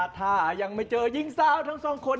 ถ้ายังไม่เจอยิ่งเศร้าทั้งสองคน